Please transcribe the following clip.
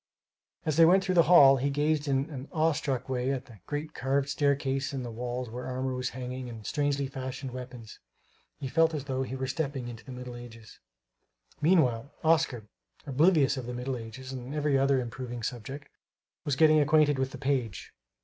As they went through the hall, he gazed in an awe stricken way at the great carved staircase and the walls where armor was hanging and strangely fashioned weapons. He felt as though he were stepping into the Middle Ages. Meanwhile, Oscar, oblivious of the Middle Ages and every other improving subject, was getting acquainted with the page.